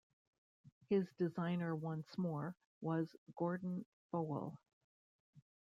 His designer once more, was Gordon Fowell.